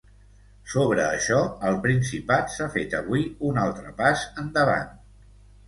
Sobre això, al Principat s’ha fet avui un altre pas endavant.